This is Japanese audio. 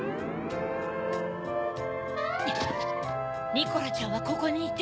ニコラちゃんはここにいて。